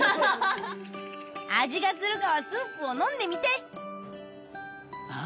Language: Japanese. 味がするかはスープを飲んでみてあっ。